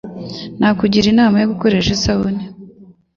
nakugira inama yo gukoresha isabune